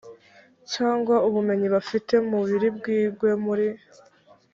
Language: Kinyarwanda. cyangwa ubumenyi bafite mu biri bwigwe muri